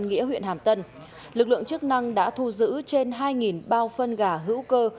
tân minh huyện hàm tân lực lượng chức năng đã thu giữ trên hai bao phân gà hữu cơ